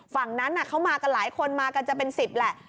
ฝั่งนั้นเขามากันหลายคนมากันจะเป็น๑๐แหละ